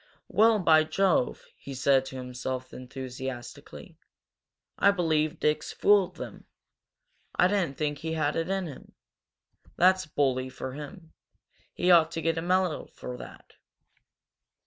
"Well, by Jove!" he said to himself, enthusiastically, "I believe Dick's fooled them. I didn't think he had it in him! That's bully for him! He ought to get a medal for that!"